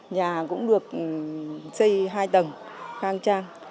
nhà cũng được xây hai tầng khang trang